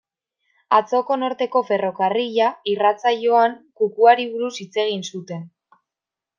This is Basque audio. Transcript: Atzoko Norteko Ferrokarrila irratsaioan, kukuari buruz hitz egin zuten.